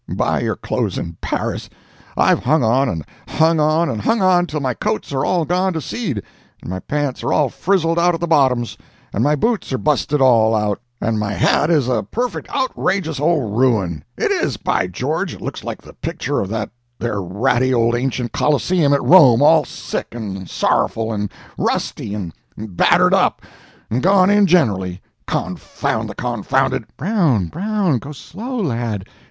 Buy your clothes in Paris! I've hung on, and hung on, and hung on, till my coats are all gone to seed, and my pants are all frizzled out at the bottoms, and my boots are busted all out, and my hat is a perfect outrageous old ruin—it is, by George it looks like the picture of that there ratty old ancient Colosseum at Rome all sick, and sorrowful, and rusty, and battered up, and gone in generally. Confound the confounded." "Brown, Brown, go slow, lad."